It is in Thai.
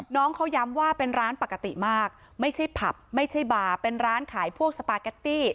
น้องเขาย้ำว่าเป็นร้านปกติมากไม่ใช่ผับไม่ใช่บาร์เป็นร้านขายพวกสปาเกตตี้